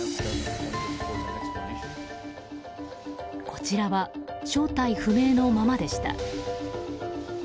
こちらは正体不明のままでした。